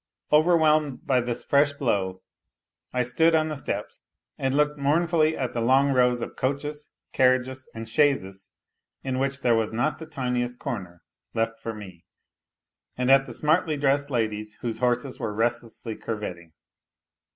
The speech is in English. Overwhelmed by this fresh blow, I stood on the steps and looked mournfully at the long rows of coaches, carriages, and chaises, in which there was not the tiniest corner left for me, and at the smartly dressed ladies, whose horses were restlessly curvetting.